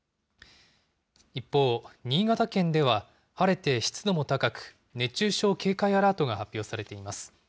一方、新潟県では晴れて湿度も高く、熱中症警戒アラートが発表されています。